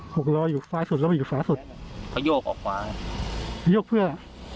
หกรออยู่ฝาสุดแล้วไม่อยู่ฝาสุดเขาโยกออกฟ้าโยกเพื่อ